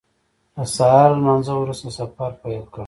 د سهار له لمانځه وروسته سفر پیل کړ.